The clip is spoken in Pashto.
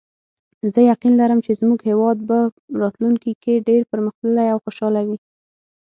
زه یقین لرم چې زموږ هیواد به راتلونکي کې ډېر پرمختللی او خوشحاله وي